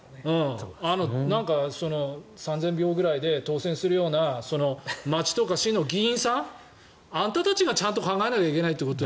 なんか３０００票くらいで当選するような町とか市の議員さんあんたたちがちゃんと考えないといけないと。